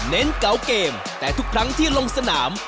เกาเกมแต่ทุกครั้งที่ลงสนาม